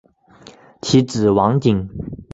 其子王景。